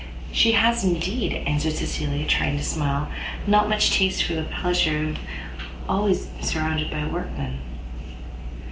"She has indeed," answered Cecilia, trying to smile, "not much taste for the pleasure of being always surrounded by workmen."